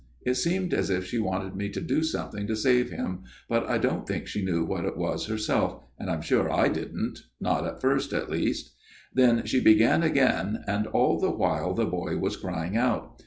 It seemed as if she wanted me to do something to save him, but I don't think she knew what it was herself, and I'm sure I didn't, not at first at least. " Then she began again, and all the while the boy was crying out.